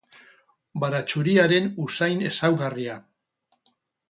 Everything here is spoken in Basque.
Baratxuriaren usain ezaugarria.